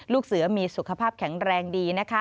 ลูกเสือมีสุขภาพแข็งแรงดีนะคะ